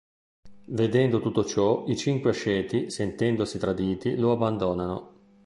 Vedendo tutto ciò i cinque asceti, sentendosi traditi, lo abbandonano.